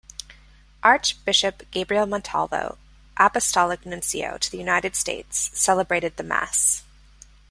Archbishop Gabriel Montalvo, Apostolic Nuncio to the United States, celebrated the Mass.